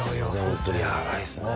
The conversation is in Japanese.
ホントにやばいですね